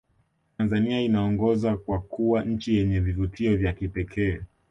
tanzania inaongoza kwa kuwa nchi yenye vivutio vya kipekee